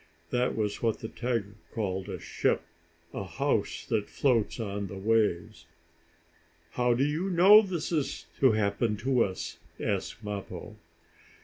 That was what the tiger called a ship; a house that floats on the waves. "How do you know this is to happen to us?" asked Mappo.